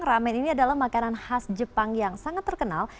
ramen ini adalah makanan khas jepang yang sangat terkenal